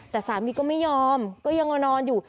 แต่สามีก็ไม่ยอมก็ยังนอนอยู่